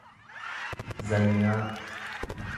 zanyaa